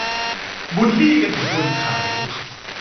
บุลลี่กันถึงบนเขา